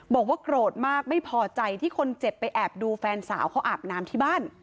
บอกว่าโกรธมากไม่พอใจที่คนเจ็บไปแอบดูแฟนสาวเขาอาบน้ำที่บ้าน